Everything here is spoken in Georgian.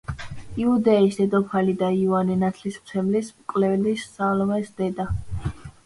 იუდეის დედოფალი და იოანე ნათლისმცემლის მკვლელის, სალომეს დედა.